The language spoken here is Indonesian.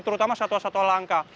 terutama satwa satwa langka